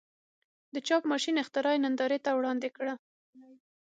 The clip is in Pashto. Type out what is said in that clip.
د چاپ ماشین اختراع یې نندارې ته وړاندې کړه.